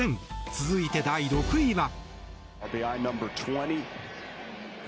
続いて、第６位は。